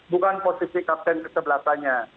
bukan posisi kapten kesebelasannya